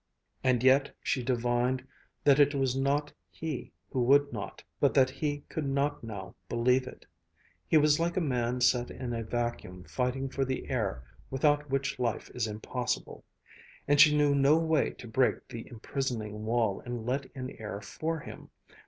And yet she divined that it was not that he would not, but that he could not now believe it. He was like a man set in a vacuum fighting for the air without which life is impossible. And she knew no way to break the imprisoning wall and let in air for him.